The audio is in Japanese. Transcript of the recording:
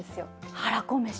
はらこ飯。